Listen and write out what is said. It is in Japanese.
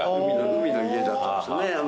海の家だったんですね。